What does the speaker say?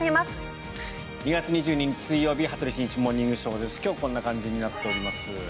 ２月２２日、水曜日「羽鳥慎一モーニングショー」。今日はこんな感じになっております。